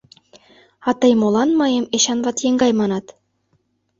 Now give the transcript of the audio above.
А тый молан мыйым Эчанват еҥгай манат?